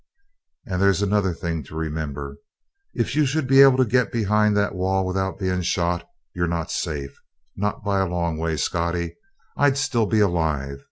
"And there's another thing to remember. If you should be able to get behind the wall without being shot, you're not safe. Not by a long way, Scottie. I'd still be alive.